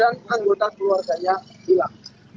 dan anggota keluarganya hilang